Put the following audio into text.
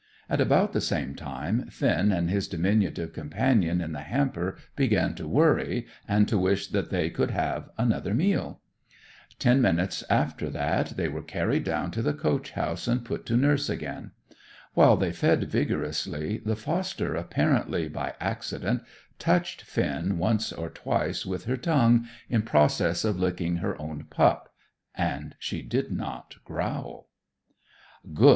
At about the same time Finn and his diminutive companion in the hamper began to worry, and to wish that they could have another meal. Ten minutes after that they were carried down to the coach house, and put to nurse again. While they fed vigorously, the foster, apparently by accident, touched Finn once or twice with her tongue, in process of licking her own pup; and she did not growl. "Good!"